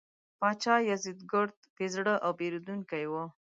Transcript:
پاچا یزدګُرد بې زړه او بېرندوکی و.